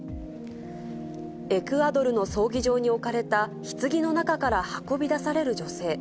エクアドルの葬儀場に置かれたひつぎの中から運び出される女性。